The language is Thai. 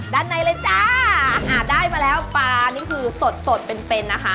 ด้านในเลยจ้าอ่าได้มาแล้วปลานี่คือสดสดเป็นเป็นนะคะ